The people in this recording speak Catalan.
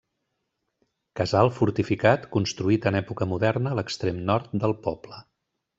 Casal fortificat construït en època moderna a l'extrem nord del poble.